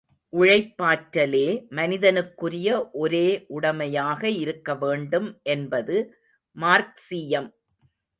உழைப்பாற்றலே மனிதனுக்குரிய ஒரே உடமையாக இருக்க வேண்டும், என்பது மார்க்சீயம்.